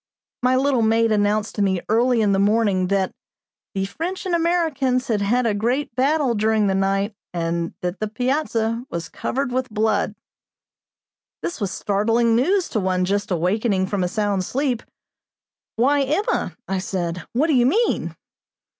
My little maid announced to me early in the morning that "the French and Americans had had a great battle during the night and that the piazza was covered with blood." This was startling news to one just awakening from a sound sleep. "Why, Emma!" I said, "what do you mean?"